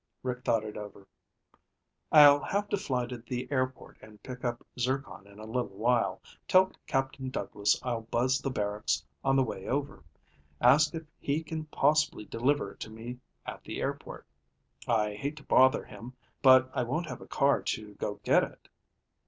Rick thought it over. "I'll have to fly to the airport and pick up Zircon in a little while. Tell Captain Douglas I'll buzz the barracks on the way over. Ask if he can possibly deliver it to me at the airport. I hate to bother him, but I won't have a car to go get it."